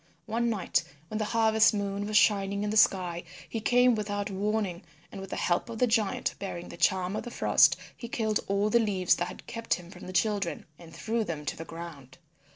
One night when the harvest moon was shining in the sky he came without warning, and with the help of the giant bearing the Charm of the Frost he killed all the leaves that had kept him from the children, and threw them to the ground.